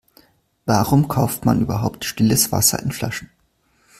Warum kauft man überhaupt stilles Wasser in Flaschen?